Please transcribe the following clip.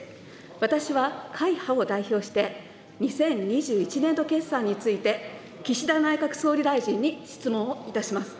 私は会派を代表して、２０２１年度決算について、岸田内閣総理大臣に質問をいたします。